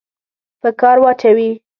په کار واچوي.